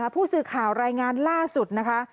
ผู้สื่อข่าวรายงานล่าสุดนะคะ